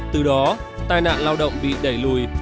từ đó tai nạn lao động bị đẩy lùi